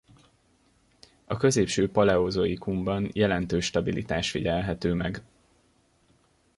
A középső paleozoikumban jelentős stabilitás figyelhető meg.